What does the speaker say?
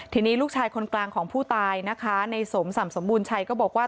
ทีนี้ลูกชายคนกลางของผู้ตายนะคะในสมส่ำสมบูรณชัยก็บอกว่า